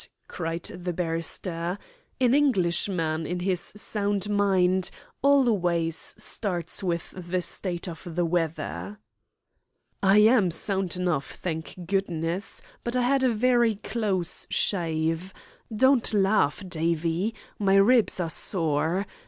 cried the barrister, "An Englishman, in his sound mind, always starts with the state of the weather." "I am sound enough, thank goodness, but I had a very close shave. Don't laugh, Davie. My ribs are sore.